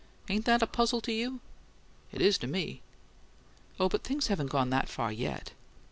Ain't that a puzzle to you? It is to me." "Oh, but things haven't gone that far yet."